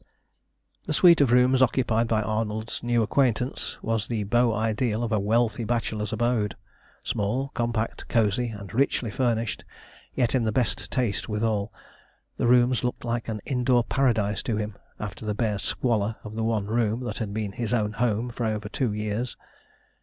The suite of rooms occupied by Arnold's new acquaintance was the beau ideal of a wealthy bachelor's abode. Small, compact, cosy, and richly furnished, yet in the best of taste withal, the rooms looked like an indoor paradise to him after the bare squalor of the one room that had been his own home for over two years.